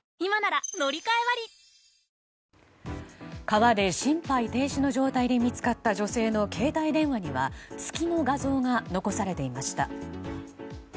川で心肺停止の状態で見つかった女性の携帯電話には月の画像が残されていました。